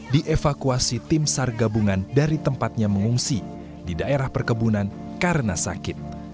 dievakuasi tim sar gabungan dari tempatnya mengungsi di daerah perkebunan karena sakit